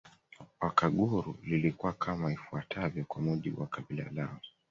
Wakaguru lilikuwa kama ifuatavyo kwa mujibu wa kabila lao